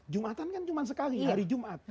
jumatan kan cuma sekali hari jumat